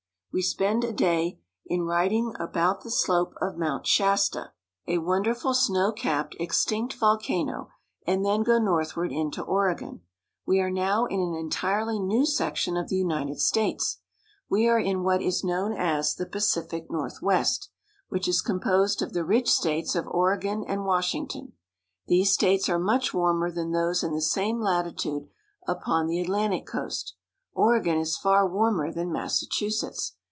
We spend a day in riding about the slope of Mount Shasta, a wonderful snow capped, fxtinct volcano, and then go northward into Oregon. We are now in an entirely new section of the United OREGON. 279 Lumbering in Oregon. States. We are in what is known as the Pacific North west, which is composed of the rich states of Oregon and Washington. These states are much w^armer than those in the same latitude upon the Atlantic coast. Oregon is far warmer than Massachusetts.